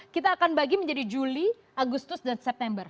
kita akan bagi menjadi juli agustus dan september